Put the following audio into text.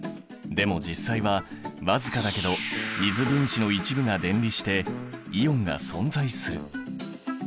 でも実際は僅かだけど水分子の一部が電離してイオンが存在する。